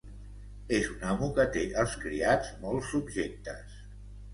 És un amo que té els criats molt subjectes.